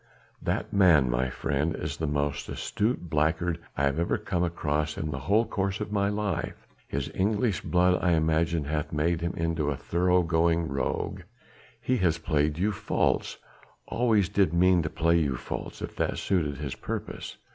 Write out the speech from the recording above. "That man, my friend, is the most astute blackguard I have ever come across in the whole course of my life. His English blood I imagine hath made him into a thorough going rogue. He has played you false always did mean to play you false if it suited his purpose!